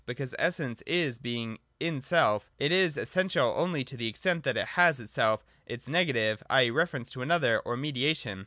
Because Essence is Being in self, it is essential only to the extent that it has in itself its negative, i.e. reference to another, or mediation.